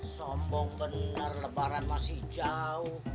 sombong benar lebaran masih jauh